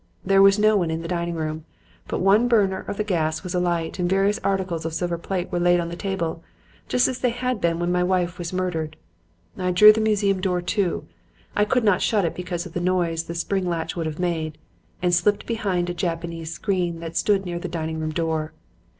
There was no one in the dining room; but one burner of the gas was alight and various articles of silver plate were laid on the table, just as they had been when my wife was murdered. I drew the museum door to I could not shut it because of the noise the spring latch would have made and slipped behind a Japanese screen that stood near the dining room door.